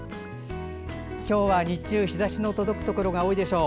今日は日中日ざしの届くところが多いでしょう。